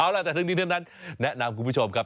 เอาล่ะแต่ทั้งนี้ทั้งนั้นแนะนำคุณผู้ชมครับ